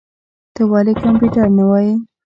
ته ولي کمپيوټر نه وايې؟